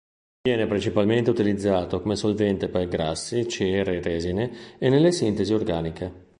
Viene principalmente utilizzato come solvente per grassi, cere e resine e nelle sintesi organiche